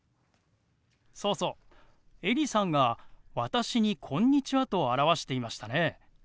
そうそうエリさんが私に「こんにちは」と表していましたね。